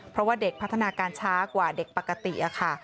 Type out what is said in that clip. เพราะว่าเด็กพัฒนาการช้ากว่าเด็กปกติค่ะ